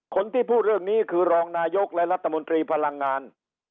คนที่พูดเรื่องนี้คือรองนายกและรัฐมนตรีพลังงาน